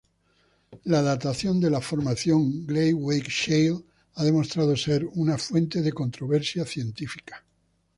La datación de la formación Greywacke-Shale ha demostrado ser una fuente de controversia científica.